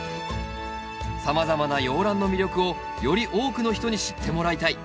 さまざまな洋ランの魅力をより多くの人に知ってもらいたい。